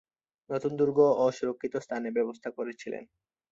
নতুন দুর্গ ও সুরক্ষিত স্থানের ব্যবস্থা করেছিলেন।